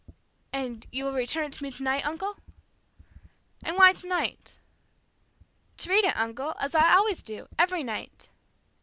"And you will return it to me tonight, uncle?" "And why tonight?" "To read it, uncle, as I always do, every night."